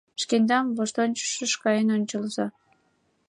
— Шкендам воштончышыш каен ончалза!